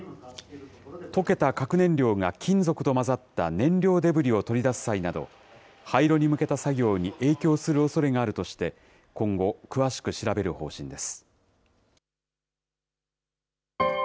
溶けた核燃料が金属と混ざった燃料デブリを取り出す際など、廃炉に向けた作業に影響するおそれがあるとして、今後、詳しく調べる方針です。